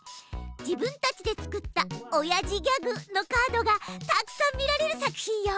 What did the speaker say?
自分たちで作ったおやじギャグのカードがたくさん見られる作品よ。